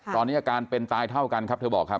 ตอนนี้อาการเป็นตายเท่ากันครับเธอบอกครับ